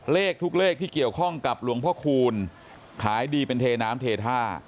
เลขทุกเลขที่เกี่ยวข้องกับหลวงพ่อคูณขายดีเป็นเทน้ำเทท่า